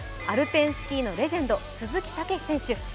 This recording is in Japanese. アルペンスキーのレジェンド鈴木猛史選手